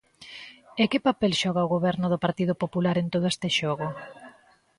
¿E que papel xoga o Goberno do Partido Popular en todo este xogo?